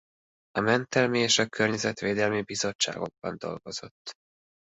A mentelmi és a környezetvédelmi bizottságokban dolgozott.